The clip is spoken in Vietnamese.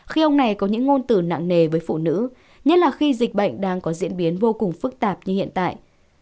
khi ông này có những ngôn tử nặng nề với phụ nữ nhất là khi dịch bệnh đang có diễn biến vô cùng phức tạp như hiện tại